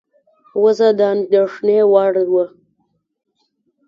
وضع د اندېښنې وړ وه.